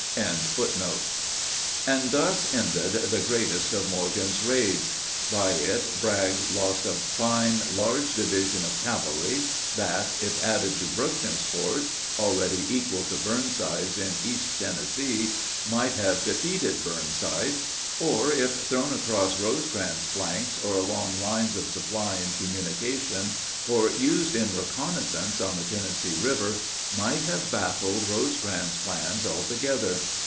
] And thus ended the greatest of Morgan's raids. By it Bragg lost a fine large division of cavalry, that, if added to Buckner's force, already equal to Burnside's in East Tennessee, might have defeated Burnside; or, if thrown across Rosecrans's flanks or long lines of supply and communication, or used in reconnaissance on the Tennessee River, might have baffled Rosecrans's plans altogether.